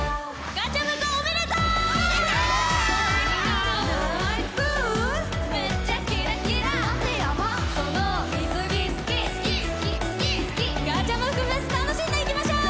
・ガチャムクフェス楽しんでいきましょう！